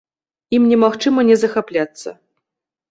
Ім немагчыма не захапляцца.